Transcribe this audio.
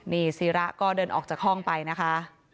นี่ศิระก็เดินออกจากห้องไปนะคะ